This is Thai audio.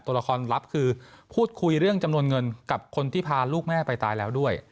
ตัวละครลับคือพูดคุยเรื่องจำนวนเงินกับคนที่พาลูกแม่ไปตายแล้วด้วย